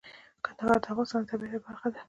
کندهار د افغانستان د طبیعت یوه برخه ده.